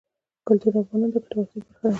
کلتور د افغانانو د ګټورتیا برخه ده.